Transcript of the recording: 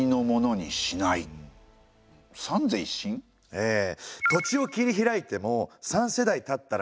ええ。